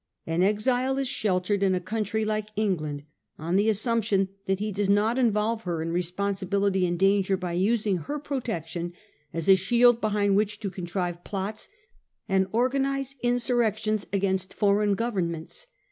An exile is sheltered in a country like England on the assumption that he does not involve her in responsibility and danger by using her protection as a shield behind which to contrive plots and organise insurrections against foreign govern ments.